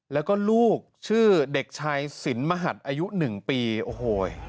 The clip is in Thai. แล้วก็ลูกชื่อเด็กชายสินมหัดอายุ๑ปีโอ้โห